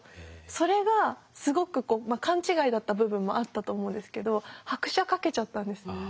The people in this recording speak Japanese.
それがすごくこうまあ勘違いだった部分もあったと思うんですけど拍車かけちゃったんです。